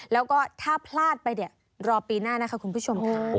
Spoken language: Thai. แล้วก็ถ้าพลาดไปเนี่ยรอปีหน้านะคะคุณผู้ชมค่ะ